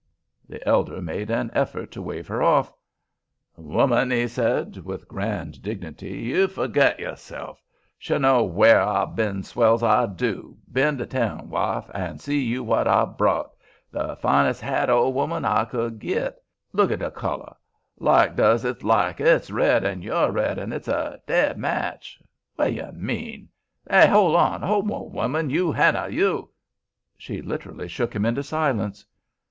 The elder made an effort to wave her off. "Woman," he said, with grand dignity, "you forgit yus sef; shu know ware I've ben 'swell's I do. Ben to town, wife, an' see yer wat I've brought—the fines' hat, ole woman, I could git. Look't the color. Like goes 'ith like; it's red an' you're red, an' it's a dead match. What yer mean? Hey! hole on! ole woman!—you! Hannah!—you." She literally shook him into silence.